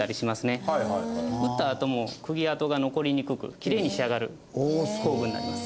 打ったあとも釘跡が残りにくくきれいに仕上がる工具になります。